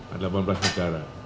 ada delapan belas negara